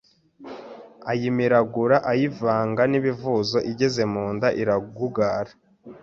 Ayimiragura ayivanga n’ ibivuzo igeze mu nda iragugara